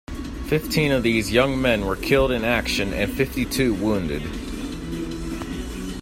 Fifteen of these young men were killed in action and fifty-two wounded.